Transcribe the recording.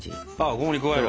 ここに加える？